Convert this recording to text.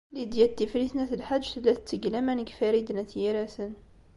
Lidya n Tifrit n At Lḥaǧ tella tetteg laman deg Farid n At Yiraten.